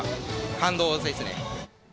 感動ですね。